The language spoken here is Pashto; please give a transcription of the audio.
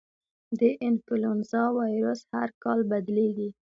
د انفلوېنزا وایرس هر کال بدلېږي.